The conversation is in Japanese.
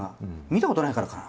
見たことないからかな。